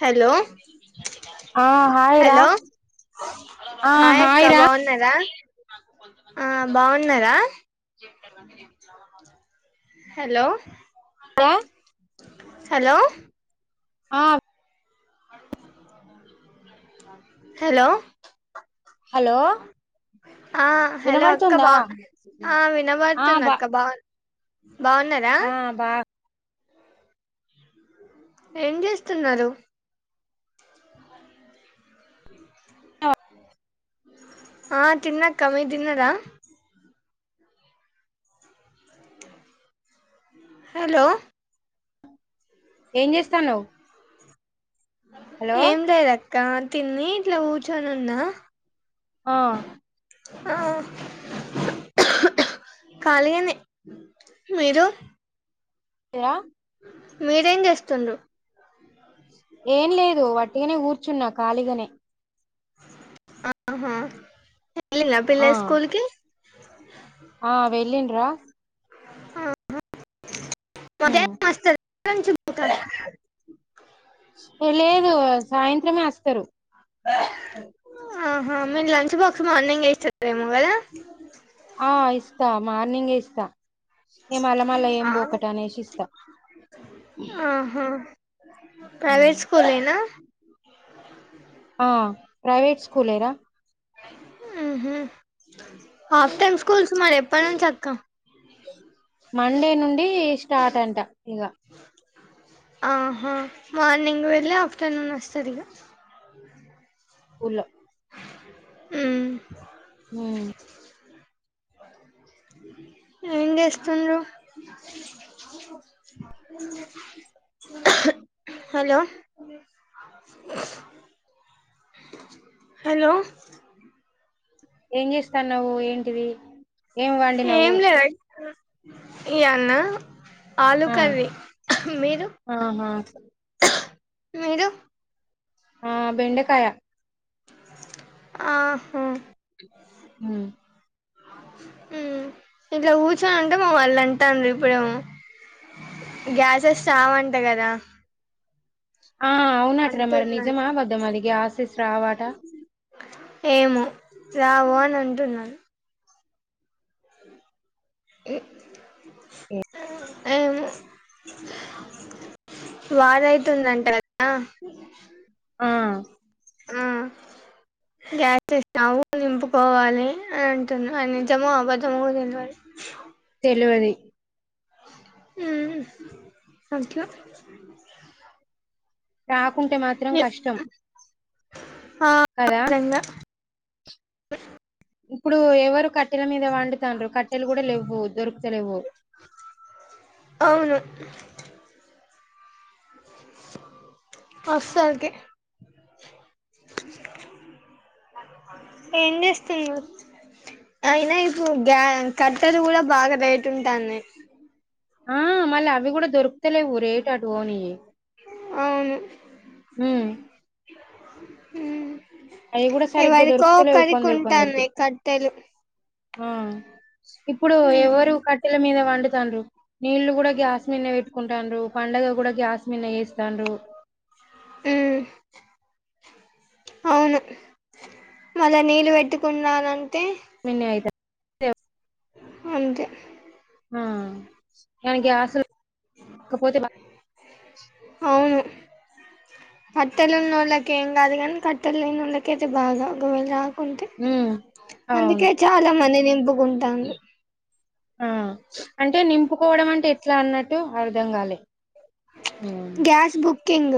Hello ఆ hi రా hello ఆ హాయ్ అక్క రా బాగున్నార. ఆ బాగున్నారా హెలో, అలో హలో ఆహ్ హలో హలో ఆ హలో అక్క వినబడుతుందా బా ఆ ఆ వినబడుతుంది బా అక్క బాగు బాగున్నరా ఆ బా ఏం చేస్తున్నారు అ ఆ తిన్నక్క మీరు తిన్నరా హలో ఏం చేస్తాన్నావ్ హలో ఏం లేదు కా తిని ఇట్లా కూర్చొని ఉన్నా ఆ ఆ ఖాళీ గానే మీరు యా మీరేం చేస్తుండు ఏం లేదు వట్టిగానే కూర్చున్నా ఖాళీగనే ఆహా వేల్లిల ఆ పిల్లలు స్కూల్ కి ఆ వెళ్ళి రా ఆ ఆ హు ఎ లేదు సాయ త్రమే వస్తరు ఆహా మీరు లంచ్ బాక్స్ మార్నింగ్ ఏ ఇచ్చిండ్రేమో కదా ఆ ఇస్తాం మార్నింగ్ ఏ ఇస్తా ఇగ మల్ల మల్ల ఏంబోకట అనేసి ఇస్తా ఆహా జస్ట్ ఆ ప్రైవేట్ స్కూల్ ఏనా ఉహూ హాఫ్ టైమ్ స్కూల్స్ మరి ఎప్పటి నుంచి అక్క జస్ట్ మండే నుండీ స్టా స్టార్ట్ అంటా ఇగ ఆహా మార్నింగ్ వెళ్ళి ఆఫ్టర్నూన్ వస్తది ఇగ ఊర్లో ఊమ్ ఊ ఏం చేస్తున్రు హలో హలో ఏం చేస్తాన్నవు ఏంటిది ఏం ఏం వండినవు లేద ఇక్కడ ఇయ్యాలనా ఆలు ఆ కర్రి మీరు ఆహా మీరు ఆ బెండకాయ ఆహా ఊ హూ ఇట్లా కూర్చోని ఉంటే మావాళ్ళు అంటాన్రు. ఇప్పుడేమో గ్యాసెస్ రావంట కదా. ఆ అవునట్రా మరి అంటున్నాను నిజం ఆ అబద్దమా అది గ్యాసెస్ రావట ఏమో రావు అని అంటున్నారు. ఏ ఏమో బాధ అయితుందంట కదా. ఆ ఊ గ్యాస్ ఇస్తాము నింపుకోవాలి అని అంటున్నారు. అది నిజమో అబద్ధమో కూడా తెల్వది. తెల్వది ఊమ్ అట్ల రాకుంటే మాత్రం కష్టం ఆ కదా! విధంగా ఇప్పుడు ఎవరు కట్ కట్టెల మీద వండుతాండ్రు. కట్టెలు కూడా లెవ్వు దొరుకుతలెవ్వు. జస్ట్ అస్సల్ కి ఏం చేస్తుండ్రు అయినా ఇప్పుడు గ్యా కట్టెలు కూడా బాగా రేట్ ఉంటాన్నాయ్. ఆ మళ్ళ అవి కూడా దొరుకుతలేవు. రేటు అటు పోనియి. అవును ఉమ్ ఉమ్ అవి కూడా సరిగ్గా ఎవరకో దొరుకుతలేవు ఒకరికి కొందరు కొందరికి ఉంటన్నాయి కట్టెలు ఆ ఇప్పుడు ఉమ్ ఎవరు కట్టెల మీద వందుతాండ్రు నీళ్లు గుడా గ్యాస్ మీదే పెట్ కుంటండ్రు పండగ గుడ గ్యాస్ మీద చేసు కుంటాండ్రు ఉమ్ అవును మళ్ళ నీళ్ళు పెట్టుకున్నానంటే మీన్నయితే అంతే ఆ కాని గ్యాస్ లు లేకపోతే కట్టెలు ఉన్నల్లకి ఏం కాదు గాని కట్టెలు లేనోల్లకే అయితే బాద ఒకవేళ అంతే ఉమ్ అవును అందుకే చాలా మంది నింపుకుంటాళ్ళు ఆ అంటే నింపుకోవడం అంటే ఎట్లా అన్నట్టు అర్థం కాలే ఉమ్ గ్యాస్ బుక్ కింగ్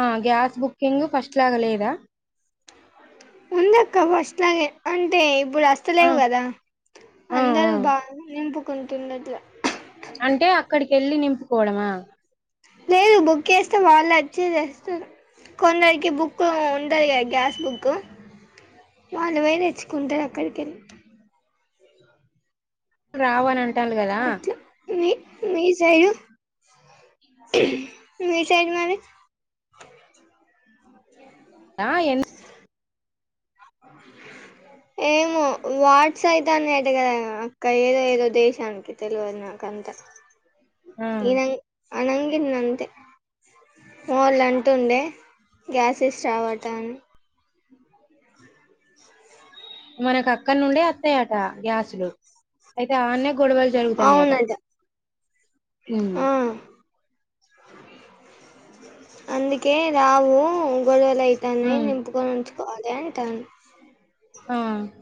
ఆ గ్యాస్ బుకింగ్ ఫస్ట్ లాగా లేదా ఉందక్క ఫస్ట్ లాగే అంటే ఇప్పుడు ఆ ఆస్తలేవు కదా ఆ ఆ అందరు బ నింపు కొంటుండట్ల అంటే అక్కడికి వెళ్ళి నింపుకోవడమా లేదు బుక్ గేస్తే వాళ్ళు వచ్చి తెస్తారు. కొందరికి బుక్ ఉంటది కదా గ్యాస్ బుక్ వాళ్లు పోయి తెచ్చుకుంటారు అక్కడికి వెళ్ళి రావు అని అంటండ్రు కదా అట్లా మీ మీ సైడు మీ సైడ్ మరి ఆ ఎన్ ఏమో వాడ్స్ అయితన్నయ్ అంట కదా అక్క ఏదో ఏదో దేశానికి తెల్వదు నాకు అంత మ్మ్ అన్నం గిన్ అంతే పోవళ్ళా అంటుండే గ్యాసెస్ రావంట అన్ మనకు అక్కడ నుండే వత్తాయట గ్యాసులు అయితే ఆన్న గొడవలు జరుగుతన్నయి అట అవునట మ్మ్ ఆ అందుకే రావు [unintelligible] తయితన్నయి ఉమ్ నింపుకొ [unintelligible] పోదంటాను ఆ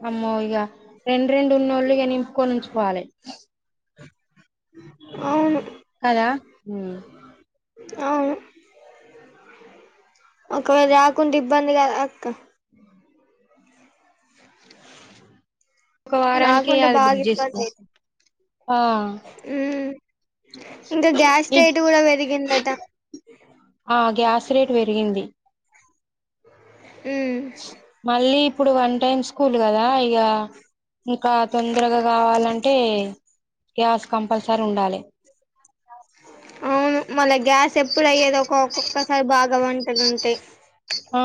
అమ్మో ఇగ రెండ రెండు ఉన్నోళ్ళగ నిం కొనించుకోవాలి అవును కదా అవును ఒకవేళ రాకుంటే ఇబ్బంది కదా అక్క ఒక వారానికి రాకుంటే అది బాగా బుక్ ఇబ్బంది చేసుకో అయితది ఆ ఇంకా గ్యాస్ రేట్ కూడా పెరిగిందట ఆ గ్యాస్ రేట్ పెరిగింది ఉమ్ మళ్ళీ ఇప్పుడు వన్ టైమ్ స్కూల్ కదా దా ఇగ ఇంకా తొందరగా కావాలంటే గ్యాస్ కంపల్సరీ ఉండాలె అవును మళ్ళ గ్యాస్ ఎప్పుడ అయ్యేదో ఒ ఒక్కొక్కసారి బాగా వంటలుంటాయి ఆ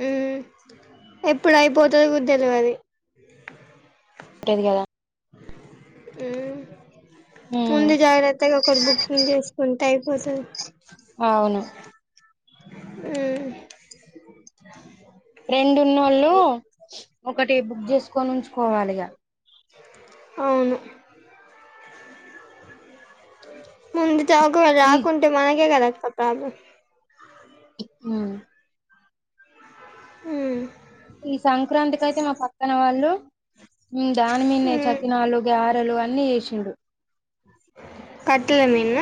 హ్మ్ ఎప్పుడు అయిపోతదో కూడా తెల్వదు తేది కదా మ్మ్ ఉమ్ ముందు జాగ్రత్తగా ఒకరు బుక్కింగ్ చేసుకుంటే అయి పోతది అవును హ్మ్ రెండున్నోళ్ళు ఒకటి బుక్ చేసుకొని ఉంచుకోవాలిగా అవును ముంద్ ఈ చాగురాకుంటే మనకే కదా సత్తాను హ్మ్ మ్మ్ ఈ సంక్రాంతికైతే మా పక్కన వాళ్ళు మ్మ్ దాన్ మీందే మ్మ్ చకినాలు గ్యా టలు అన్నీ ఏసిండు కట్టెల మీన్న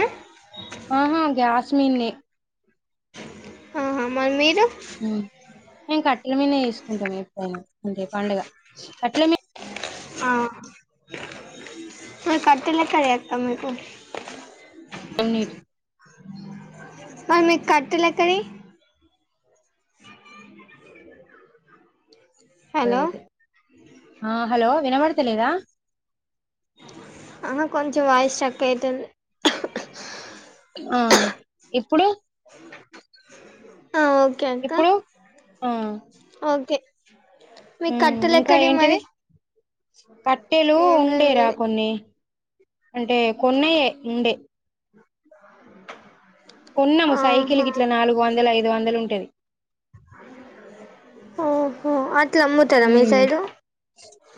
ఆహా గ్యాస్ మీన్నే ఆహా మరి మీరు ఏంకాద్ ఎట్ల మీద ఏసుకుంటాం ఎప్పుడైనా అంటే పండుగ అట్లనే ఆ కట్ అయినాక చేత్తా మీకు అన్నిటి ఆ మీకు కట్టెలెక్కడియ్ ఆ హలో వినపడతలేదా అహ కొంచం వాయస్ స్ట్రక్ అయతందీ ఆ ఇప్పుడు ఓకే అక్క ఇప్పుడు ఓకే ఉ మీకు కట్టెలు ఇంకా ఎక్కడివి ఏంటిది మరి కట్టెలు ఏం లేదు మీ ఉండేరా కొన్ని అంటే కొన్నాయే ఉండే కొన్నము సైకిల్ ఆహా గిట్ల నాలుగు వందల ఐదు ఐదు వందలు ఉంటది ఓహో అది మ్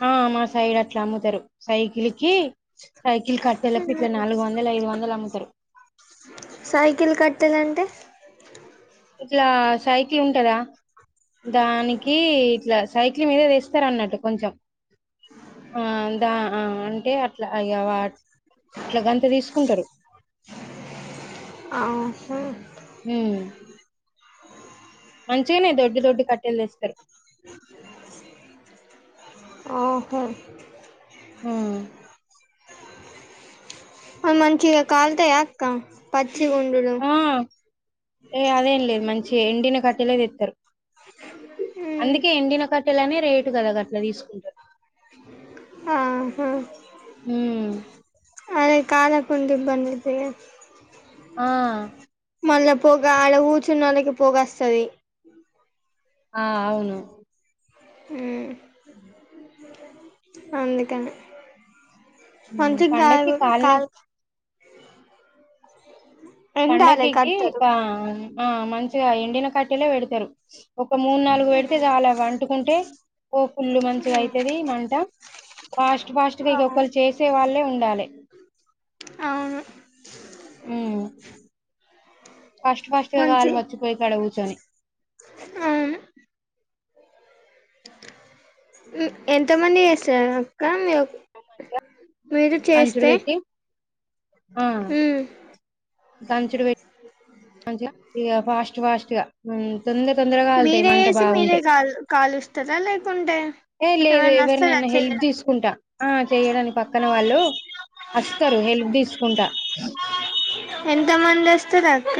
ఆ మా సైడ్ ఇట్లముతరు సైకిల్ కి సైకిల్ కట్టేలకి ఇట్ల నాలుగు వందలు ఐదు వందలు అమ్ముతారు సైకిల్ కట్టెలంటే ఇట్లా సైకిల్ ఉంటదా దానికి ఇట్లా సైకిల్ మీద దెస్తరన్నట్టు కొంచెం ఆ దా అంటే అ అట్లా అయవ అట్లాగ గంత తీసుకుంటారు ఆహా మ్ మంచిగనే దొడ్డు దొడ్డు కట్టెలు తెస్తారు ఆ ఓహో మ్ అ మంచిగా కాలతయా అక్క గుండులు ఆ ఏ అదేం లేదు మంచి ఎండిన క ట్టెలెదెతరు ఉమ్ అందుకే ఎండిన కట్టెలని రే కదా అదట్లా తీసుకుంటే ఆహా ఉమ్ అదె కాలకుండ బండిపోయేది ఆ మళ్ళా పోగా ఆడ కూర్చున్నోళ్ళకి పోగ అస్తది ఆ అవును ఉ అందుకని ఉమ్ మంచిగాల్ పండక్కి కాలిన కాల్ ఎండాలే పండగకి కట్టెలు మంచి ఎండిన కట్టటిలా పెడతారు ఒక మూడు నాలుగు పెడితే చాలు అవంటుకుంటే ఓ పుల్లు మంచిగా ఉమ్ అయితది మంట పాష్ ఫాస్ట్ గా ఆ ఒకరు చేసే వాళ్ళే ఉండాలి అవును హ ఫస్ట్ ఫస్ట్గాగా మ మంచి వచ్చిపోయి కడు కూర్చొని అవును ఎంతమంది చేసారు అక్క మీ మీరు కంచుడు చేస్తే పెట్టి హ కంచడు పెట్ మంచిగా ఫాస్ట్ ఫాస్ట్ గా తొందర తొందరగా వెళ్తాయి మీరే మంట చేసి మీరే బాగుంటే కాల్ కాలుస్తారా లేకుంటే ఏ లేదు ఎవరన్నా వస్తారా ఎవరినైనా హెల్ప్ చెయ్యడం తీసుకుంటా ఆ చేయడానికి పక్కన వాళ్ళు వస్తారు హెల్ప్ తీసుకుంటా ఎంత మంది వస్త రూ అక్క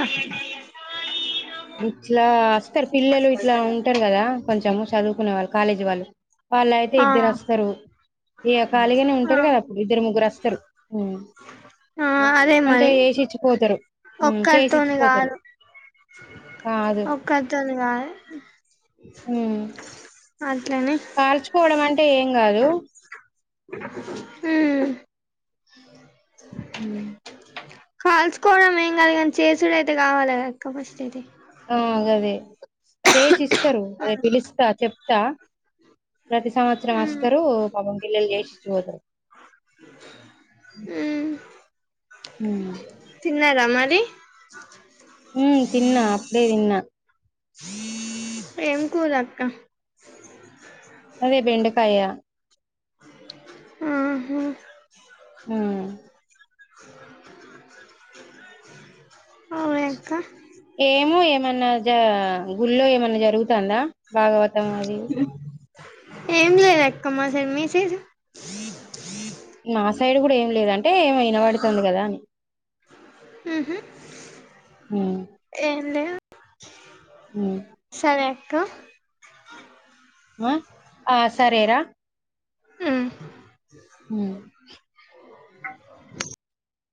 ఇ ఇట్లా వస్తారు పిల్లలు ఇట్లా ఉంటారు కదా కొంచెం చదువుకునే వాళ్ళు కాలేజ్ వాళ్ళు వాళ్ళు అయితే ఆ ఇద్దరు వస్తారు ఇ కాలిగానే ఆ ఉంటారు కదా అప్పుడు ఇద్దరు ముగ్గురస్తారు ఆ అదే మంచిగా మరి చేసిచ్చిపోతారు ఒక్కరితోని చేసిచ్చిపోతారు కాదు కాదు ఒకక్కతనుగా ఆ అ కాల్చుకోవడం అంటే ఏం కాదు ఏ అ కాల్చుకోవడమే కా కానీ చేసూడు అయితే కావాలి క అక్క ఫస్ట్ అయితే ఆదే చేసి ఇస్తారు అదే పిలుస్తా చెప్తా ప్రతి సంవత్సరం ఉమ్ వస్తారు పబన్ పిల్లలు చేసి ఇచ్చి పోతారు తిన్నార మరి రి ఉ తిన్న అప్పుడే తిన్న ఏం కూర అక్క అదే బెండ ఫ్రైయా ఆహా హ్మ్ ఓ యక్క ఏమో ఏమన్నా జ గుళ్ళో ఏమన్నా జరుగుతాందా భాగవతం అది ఏం లేదక్కా మ మెసేజ్ మా సైడ్ కూడా ఏం లేదంటే ఏమో వినబడుతుంది కదా అని ఊహూ ఏం లేదు సరే క మ ఆ సరేరా ఉమ్